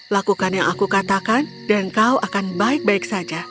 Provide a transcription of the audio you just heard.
lakukan yang aku katakan dan kau akan baik baik saja